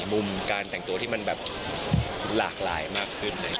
มุมการแต่งตัวที่มันแบบหลากหลายมากขึ้น